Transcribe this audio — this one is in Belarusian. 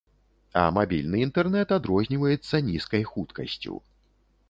А мабільны інтэрнэт адрозніваецца нізкай хуткасцю.